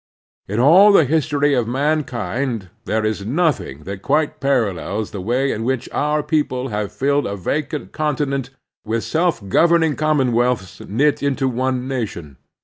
In all the history of mankind there is nothing that quite parallels the way in S40 The Strenuous Life which our people have filled a v acant continent with self governing commonwealSS^ knit into one nation.